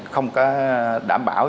không có đảm bảo